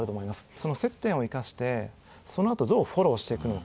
その接点を生かしてそのあとどうフォローしていくのか。